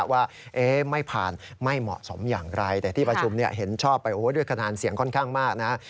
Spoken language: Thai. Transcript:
ว่าไม่ผ่านไม่เหมาะสมอย่างไรแต่ที่ประชุมเห็นชอบไปด้วยคะแนนเสียงค่อนข้างมากนะ